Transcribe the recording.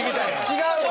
違うわ！